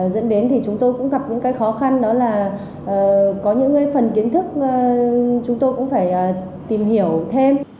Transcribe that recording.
dẫn đến thì chúng tôi cũng gặp những cái khó khăn đó là có những phần kiến thức chúng tôi cũng phải tìm hiểu thêm